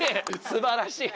すばらしい。